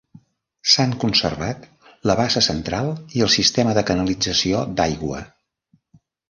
S'han conservat la bassa central i el sistema de canalització d'aigua.